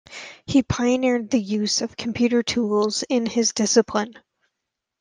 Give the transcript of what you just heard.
He pioneered the use of computer tools in his discipline.